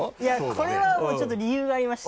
これはちょっと理由がありまして